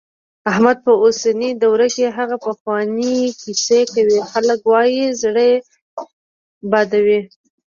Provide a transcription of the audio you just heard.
احمد په اوسني دور کې هغه پخوانۍ کیسې کوي، خلک وايي زړې بادوي.